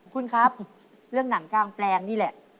คุณครับเรื่องหนังกางแปลงนี่แหละ